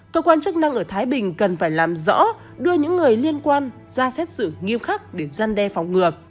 cơ quan chức năng ở thái bình cần phải làm rõ đưa những người liên quan ra xét xử nghiêm khắc để giăn đe phòng ngừa